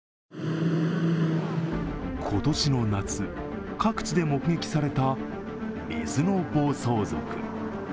今年の夏、各地で目撃された水の暴走族。